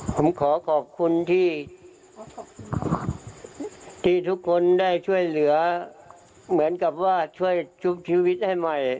ผมขอขอบคุณที่ทุกคนได้ช่วยเหลือเหมือนกับว่าช่วยชุบชีวิตให้ใหม่